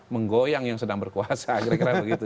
menggoyang yang sedang berkuasa kira kira begitu